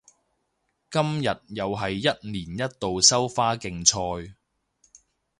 今日又係一年一度收花競賽